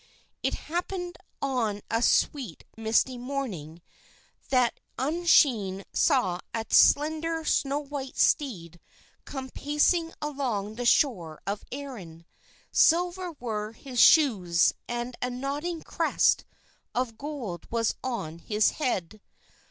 It happened on a sweet, misty morning that Usheen saw a slender snow white steed come pacing along the shore of Erin. Silver were his shoes, and a nodding crest of gold was on his head.